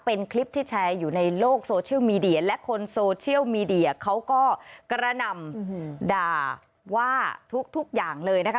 เป็นคลิปที่แชร์อยู่ในโลกโซเชียลมีเดียและคนโซเชียลมีเดียเขาก็กระหน่ำด่าว่าทุกอย่างเลยนะคะ